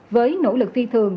với nỗ lực thi thường